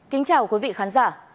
kính chào quý vị khán giả